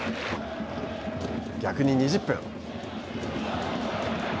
逆に２０分。